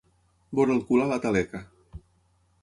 Veure el cul a la taleca.